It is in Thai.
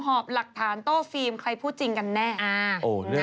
หอบหลักฐานโต้ฟิล์มใครพูดจริงกันแน่